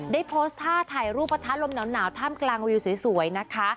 ได้โพสต์ท่าถ่ายรูปประทะลมหนาวท่ามกลางวิวสวยนะคะ